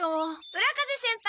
浦風先輩！